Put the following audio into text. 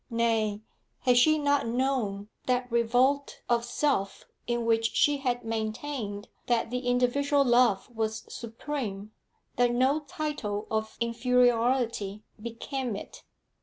Nay, had she not known that revolt of self in which she had maintained that the individual love was supreme, that no title of inferiority became it?